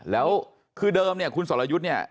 แล้วคือเดิมคุณสลายุทธ์เนี่ย